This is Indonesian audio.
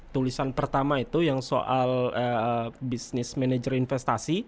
tulisan pertama itu yang soal business manager investasi